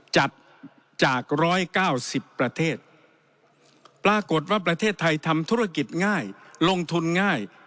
จัดจาก๑๙๐ประเทศปรากฏว่าประเทศไทยทำธุรกิจง่ายลงทุนง่าย